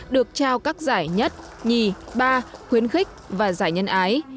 được trao các giải nhất nhì ba khuyến khích và giải nhân ái